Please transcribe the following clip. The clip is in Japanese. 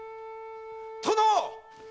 ・殿！